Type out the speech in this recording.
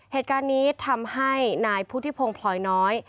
เหตุการณ์นี้ทำให้นายพุทธิพงศ์พลอยน้อย